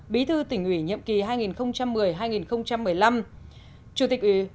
bí thư tỉnh ủy nhiệm kỳ hai nghìn một mươi hai nghìn một mươi năm